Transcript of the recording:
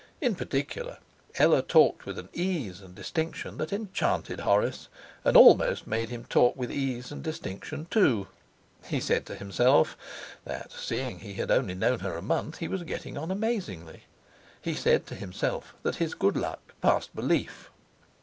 In particular Ella talked with an ease and a distinction that enchanted Horace, and almost made him talk with ease and distinction too. He said to himself that, seeing he had only known her a month, he was getting on amazingly. He said to himself that his good luck passed belief.